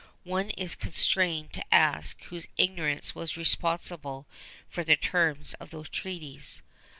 One is constrained to ask whose ignorance was responsible for the terms of those treaties.